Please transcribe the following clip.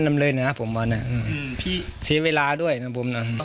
นำเลยนะครับผมว่าอืมพี่เสียเวลาด้วยนะผมน่ะอืม